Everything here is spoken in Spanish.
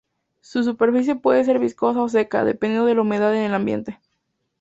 Su superficie puede ser viscosa o seca, dependiendo de la humedad en el ambiente.